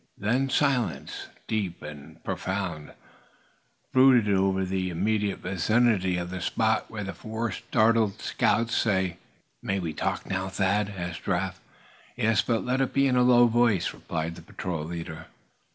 Then silence, deep and profound, brooded over the immediate vicinity of the spot where the four startled scouts sat. "May we talk now, Thad?" asked Giraffe. "Yes, but let it be in a low voice," replied the patrol leader.